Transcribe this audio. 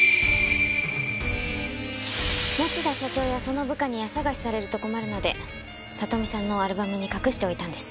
持田社長やその部下に家捜しされると困るので里美さんのアルバムに隠しておいたんです。